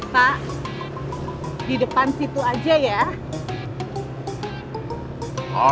pak di depan situ aja ya